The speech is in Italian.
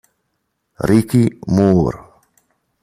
Ricky Moore